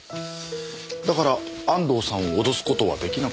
だから安藤さんを脅す事は出来なかった。